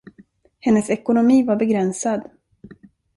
Hennes ekonomi var begränsad.